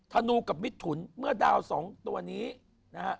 ธนูกับมิถุนเมื่อดาวสองตัวนี้นะฮะ